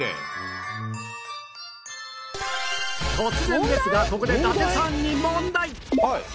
突然ですがここで伊達さんに問題